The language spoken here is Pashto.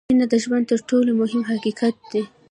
• مینه د ژوند تر ټولو مهم حقیقت دی.